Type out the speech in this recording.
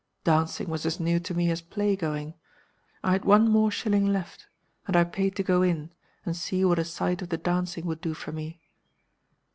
Dancing was as new to me as play going. I had one more shilling left; and I paid to go in, and see what a sight of the dancing would do for me.